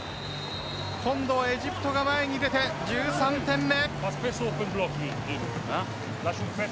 今度はエジプトが前に出て１３点目。